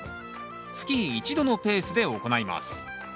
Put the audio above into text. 月１度のペースで行います。